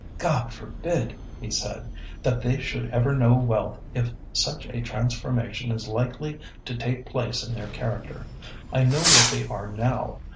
"God forbid!" he said, "that they should ever know wealth if such a transformation is likely to take place in their character. I know what they are now.